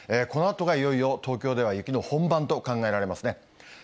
このあとがいよいよ、東京では雪の本番と考えられますね。